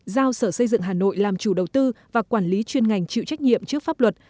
giao sở xây dựng hà nội làm chủ đầu tư và quản lý chuyên ngành chịu trách nhiệm trước pháp luật